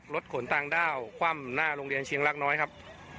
ขนต่างด้าวคว่ำหน้าโรงเรียนเชียงรักน้อยครับ